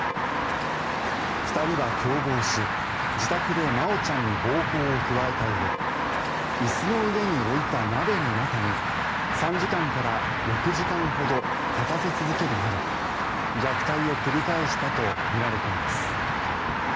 ２人は共謀し、自宅で真愛ちゃんに暴行を加えたうえ椅子の上に置いた鍋の中に３時間から６時間ほど立たせ続けるなど虐待を繰り返したとみられています。